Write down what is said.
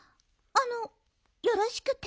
あのよろしくて？